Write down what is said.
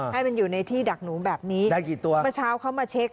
ให้มันอยู่ในที่ดักหนูแบบนี้ได้กี่ตัวเมื่อเช้าเขามาเช็ค